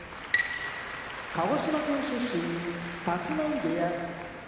鹿児島県出身立浪部屋